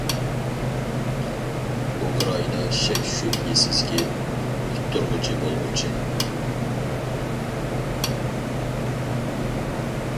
ئۇكرائىنا شەك- شۈبھىسىزكى ئۇتتۇرغۇچى بولغۇچى.